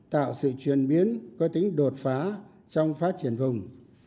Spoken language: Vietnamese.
tạo sự chuyển biến có tính đột phá trong phát triển vùng